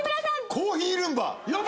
『コーヒー・ルンバ』。